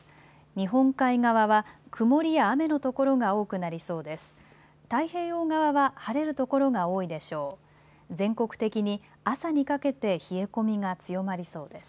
日本海側は曇りや雨の所が多くなりそうです。